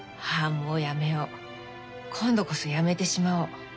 もうやめよう今度こそやめてしまおう。